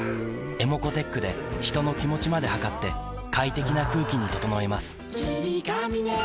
ｅｍｏｃｏーｔｅｃｈで人の気持ちまで測って快適な空気に整えます